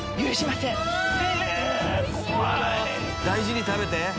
大事に食べて！